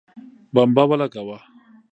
بمبه ولګوه